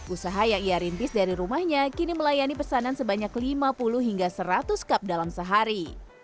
usaha yang ia rintis dari rumahnya kini melayani pesanan sebanyak lima puluh hingga seratus cup dalam sehari